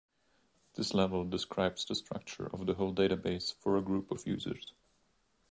This level describes the structure of the whole database for a group of users.